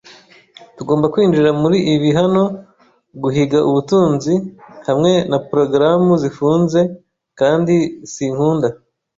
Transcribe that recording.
tugomba kwinjira muri ibi hano guhiga ubutunzi, hamwe na progaramu zifunze, kandi sinkunda